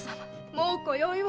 もう今宵は。